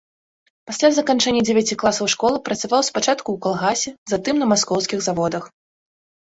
Пасля заканчэння дзевяці класаў школы працаваў спачатку ў калгасе, затым на маскоўскіх заводах.